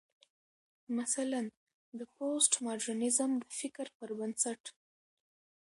مثلا: د پوسټ ماډرنيزم د فکر پر بنسټ